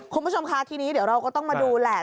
คุณผู้ชมค่ะทีนี้เดี๋ยวเราก็ต้องมาดูแหละ